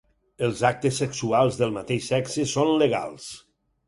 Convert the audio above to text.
Els actes sexuals del mateix sexe són legals.